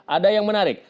ada yang menarik